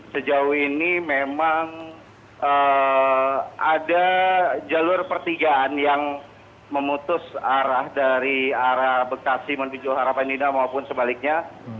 sejauh ini memang ada jalur pertigaan yang memutus arah dari arah bekasi menuju harapanida maupun sebaliknya